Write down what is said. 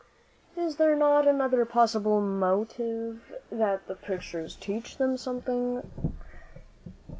"Is there not another possible motive that the pictures teach them something?"